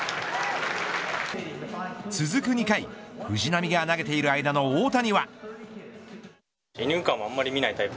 続く２回、藤浪が投げている間の大谷は。